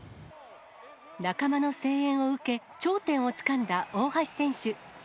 仲間の声援を受け、頂点をつかんだ大橋選手。